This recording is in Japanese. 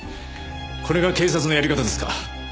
これが警察のやり方ですか。